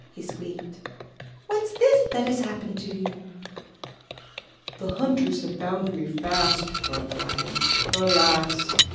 he squeaked, 'Whafs this that has happened to you?'' 'The hunters have bound me fast," groaned the Lion, "Alas!